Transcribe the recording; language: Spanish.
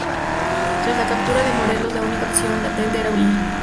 Tras la captura de Morelos la única opción latente era huir.